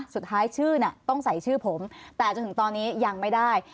สุดท้ายชื่อต้องใส่ชื่อผมแต่จนถึงตอนนี้ยังไม่ได้